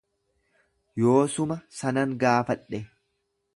Yoosuma sanan gaafadhe.